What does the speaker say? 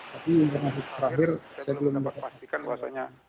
tapi informasi terakhir saya belum dapat pastikan bahwasannya